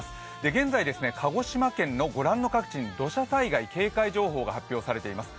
現在鹿児島県のご覧の各地に土砂災害警戒情報が発表されています。